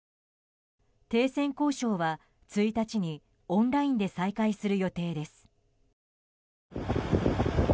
停戦交渉は１日にオンラインで再開する予定です。